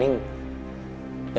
apa yang kita lakukan